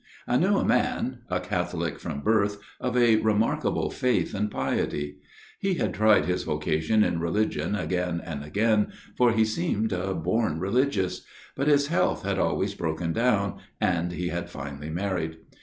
" I knew a man, a Catholic from birth, of a remarkable faith and piety. He had tried his vocation in religion again and again, for he seemed a born religious ; but his health had always broken down, and he had finally married.